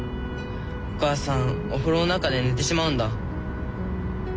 お母さんお風呂の中で寝てしまうんだ。